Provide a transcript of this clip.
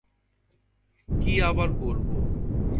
কী আবার করব!